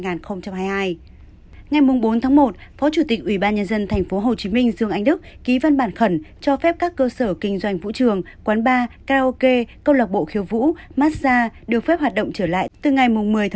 ngày bốn một phó chủ tịch ubnd tp hcm dương anh đức ký văn bản khẩn cho phép các cơ sở kinh doanh vũ trường quán bar karaoke cộng lạc bộ khiêu vũ massage được phép hoạt động trở lại từ ngày một mươi một hai nghìn hai mươi hai